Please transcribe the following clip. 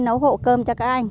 nấu hộ cơm cho các anh